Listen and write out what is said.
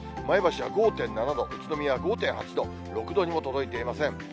前橋は５．７度、宇都宮は５．８度、６度にも届いていません。